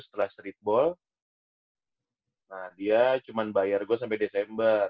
abu gidia setelah streetball dia cuma bayar gue sampai desember